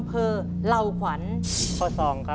ถูก